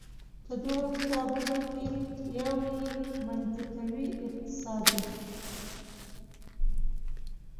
په دغو کتابونو کې یو یې منطقوي اقتصاد و.